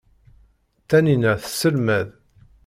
Taninna tesselmad.